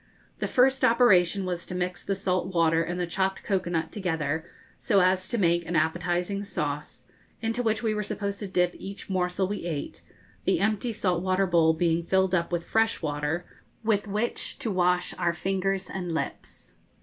The first operation was to mix the salt water and the chopped cocoa nut together, so as to make an appetising sauce, into which we were supposed to dip each morsel we ate, the empty salt water bowl being filled up with fresh water with which to wash our fingers and lips.